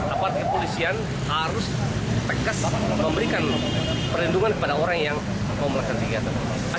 apalagi polisian harus tegas memberikan perlindungan kepada orang yang memelakkan kegiatan